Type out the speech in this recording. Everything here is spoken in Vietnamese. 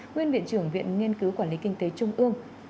nguyên viện trưởng viện nghiên cứu quản lý kinh tế trung ương